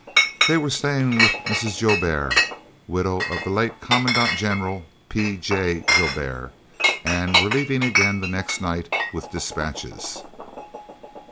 They were staying with Mrs. Joubert, widow of the late Commandant General P.J. Joubert, and were leaving again the next night with dispatches.